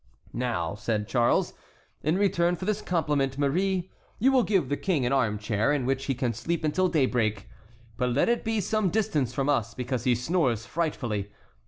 "Now," said Charles, "in return for this compliment, Marie, you will give the king an armchair, in which he can sleep until daybreak; but let it be some distance from us, because he snores frightfully.